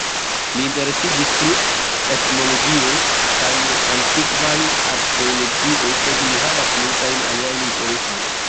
Li interesiĝis pri etnologio kaj antikva arkeologio, sed li havis multajn aliajn interesojn.